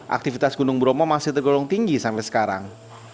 aktivitas gunung bromo masih tergolong tinggi sampai sekarang